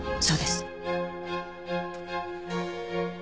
そうです。